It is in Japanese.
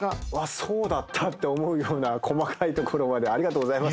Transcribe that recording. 「そうだった」って思うような細かいところまでありがとうございます。